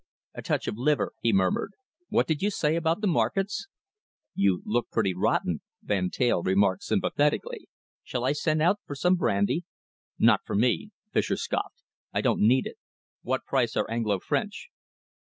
"A touch of liver," he murmured. "What did you say about the markets?" "You look pretty rotten," Van Teyl remarked sympathetically. "Shall I send out for some brandy?" "Not for me," Fischer scoffed. "I don't need it. What price are Anglo French?"